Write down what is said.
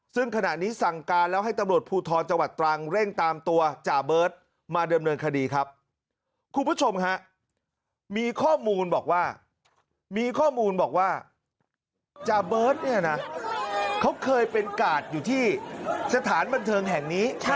ซึ่งขณะนี้สั่งการแล้วให้ตำรวจผูลถอนจังหวัดตราง